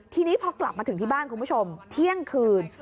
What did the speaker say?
ทีนี้พอกลับมาถึงที่บ้านคุณผู้ชมเที่ยงคืน